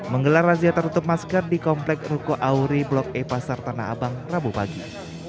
menggelar razia tertutup masker di komplek ruko auri blok e pasar tanah abang rabu pagi